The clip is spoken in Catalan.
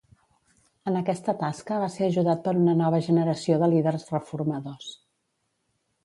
En aquesta tasca va ser ajudat per una nova generació de líders reformadors.